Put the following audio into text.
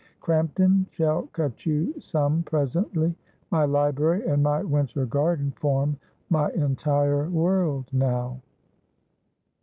"Crampton shall cut you some presently. My library and my winter garden form my entire world now."